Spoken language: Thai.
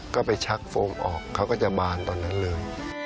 ก็ไปชักโฟมออกเขาก็จะบานตอนนั้นเลย